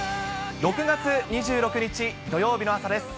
６月２６日土曜日の朝です。